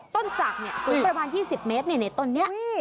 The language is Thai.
ต้นศักดิ์สูงประมาณ๒๐เมตรในต้นนี้